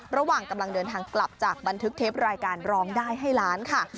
ระหว่างกำลังเดินทางกลับจากบันทึกเทปรายการร้องได้ให้ล้านค่ะ